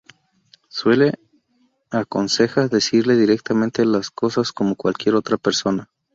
Sue le aconseja decirle directamente las cosas como cualquier otra persona.